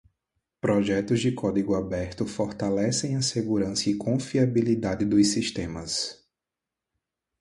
Projetos de código aberto fortalecem a segurança e confiabilidade dos sistemas.